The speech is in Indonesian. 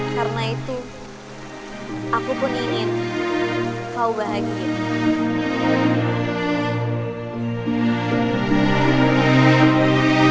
karena itu aku pun ingin kau bahagia